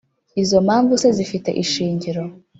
Izo mpamvu se zifite ishingiro?